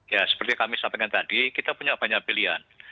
ya seperti yang kami sampaikan tadi kita punya banyak pilihan